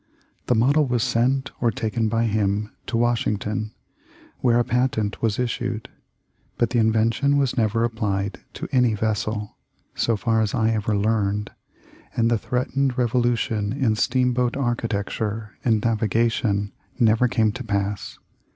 The model was sent or taken by him to Washington, where a patent was issued, but the invention was never applied to any vessel, so far as I ever learned, and the threatened revolution in steamboat architecture and navigation never came to pass.